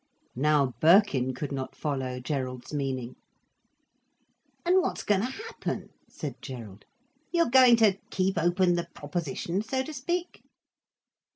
Now Birkin could not follow Gerald's meaning. "And what's going to happen?" said Gerald. "You're going to keep open the proposition, so to speak?"